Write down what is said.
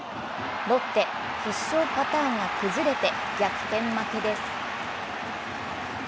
ロッテ、必勝パターンが崩れて逆転負けです。